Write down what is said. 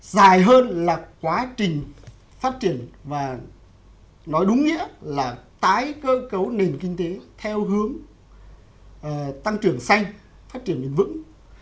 dài hơn là quá trình phát triển và nói đúng nghĩa là tái cơ cấu nền kinh tế theo hướng tăng trưởng xanh phát triển bền vững